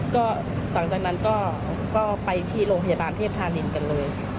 ก็หลังจากนั้นก็ไปที่โรงพยาบาลเทพธานินกันเลย